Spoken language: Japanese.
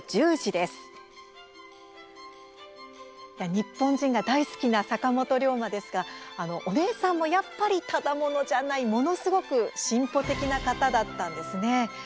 日本人が大好きな坂本龍馬ですがやっぱり、お姉さんもただ者ではないものすごく進歩的な考えの方だったんですね。